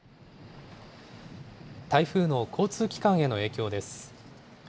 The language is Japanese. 台風の交通機関への影響です。